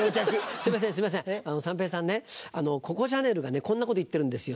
すいませんすいません三平さんねココ・シャネルがねこんなこと言ってるんですよ。